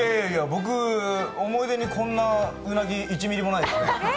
僕、思い出にこんなうなぎ１ミリもないですね。